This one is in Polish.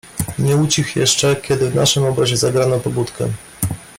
"Nie ucichł jeszcze, kiedy w naszym obozie zagrano pobudkę."